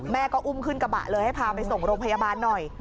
อุ้มขึ้นกระบะเลยให้พาไปส่งโรงพยาบาลหน่อย